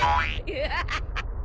フハハハ！